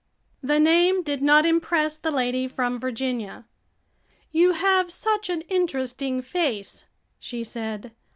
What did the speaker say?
The name did not impress the lady from Virginia. "You have such an interesting face," she said.